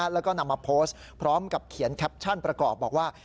แล้วก็นำมาโพสต์พร้อมกับเขียนแคปชั่นประกอบบอกว่า